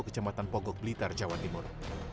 kecamatan pogok blitar jawa timur